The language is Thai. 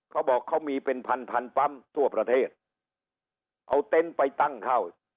เขาบอกเขามีเป็นพันพันปั๊มทั่วประเทศเอาเต็นต์ไปตั้งเข้า